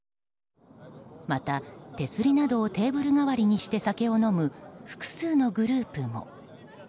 また、手すりなどをテーブル代わりにして酒を飲む複数のグループも。